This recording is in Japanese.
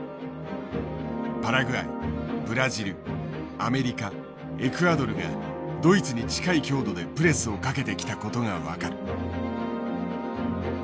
パラグアイブラジルアメリカエクアドルがドイツに近い強度でプレスをかけてきたことが分かる。